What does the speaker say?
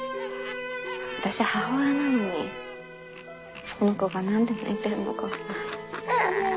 私母親なのにこの子が何で泣いてるのか。